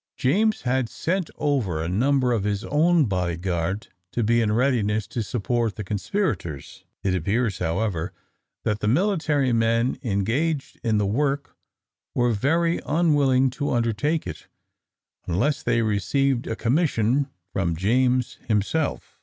James had sent over a number of his own body guard to be in readiness to support the conspirators. It appears, however, that the military men engaged in the work were very unwilling to undertake it, unless they received a commission from James himself.